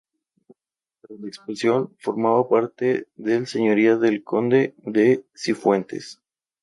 Tras la expulsión, formaba parte del señoría del Conde de Cifuentes.